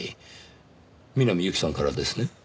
南侑希さんからですね？